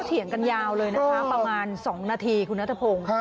เถียงกันยาวเลยนะคะประมาณ๒นาทีคุณนัทพงศ์